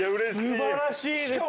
素晴らしいですね。